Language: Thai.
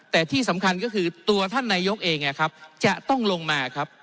แต่ที่สำคัญก็คือตัวท่านนายกเองจะต้องลงมาครับ